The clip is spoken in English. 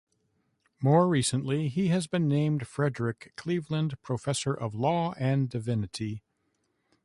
More recently, he has been named Frederic Cleaveland Professor of Law and Divinity.